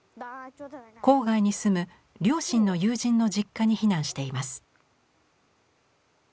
郊外に住む両親の友人の実家に避難しています。